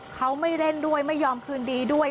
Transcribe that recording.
เขาไม่เล่นด้วยไม่ยอมคืนดีด้วย